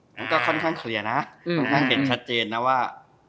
อืมก็ค่อนข้างตะเลียนแบบนั้นล่ะว่า